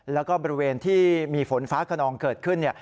แล้วก็บริเวณที่มีฝนฟ้าขนองเกิดขึ้น